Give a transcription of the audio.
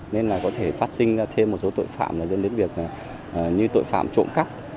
nên là có thể phát sinh thêm một số tội phạm dẫn đến việc như tội phạm trộm cắp